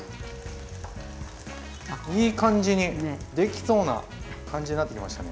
いい感じにできそうな感じになってきましたね。